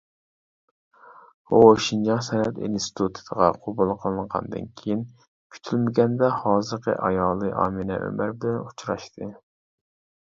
ئۇ شىنجاڭ سەنئەت ئىنستىتۇتىغا قوبۇل قىلىنغاندىن كىيىن، كۈتۈلمىگەندە ھازىرقى ئايالى ئامىنە ئۆمەر بىلەن ئۇچراشتى.